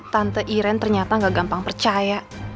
tante iran ternyata gak gampang percaya